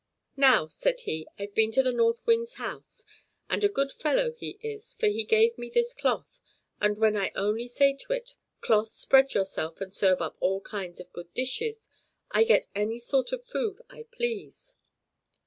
"Now," said he, "I've been to the North Wind's house, and a good fellow he is, for he gave me this cloth, and when I only say to it, 'Cloth, spread yourself, and serve up all kinds of good dishes,' I get any sort of food I please."